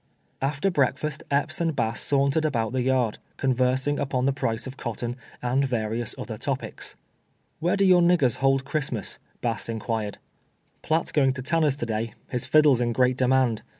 After breakfast Epps and Bass sauntered about the yard, conversing upon the price of cotton, and va rious other .topics. " Where do your niggei s hold Christmas ?" Bass in quired. "Piatt is going to Tanners to day. His fiddle is in great demand.